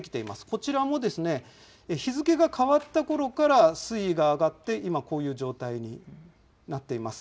こちらも日付が変わったころから水位が上がって、今、こういう状態になっています。